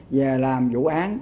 về làm vụ án